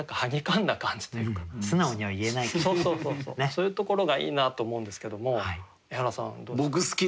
そういうところがいいなと思うんですけどもエハラさんどうですか？